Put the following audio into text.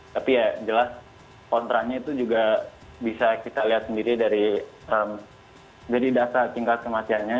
tapi ya jelas kontranya itu juga bisa kita lihat sendiri dari data tingkat kematiannya